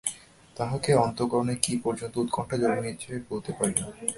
তাহাতে অন্তঃকরণে কী পর্যন্ত উৎকণ্ঠা জন্মিয়াছে বলিতে পারি না।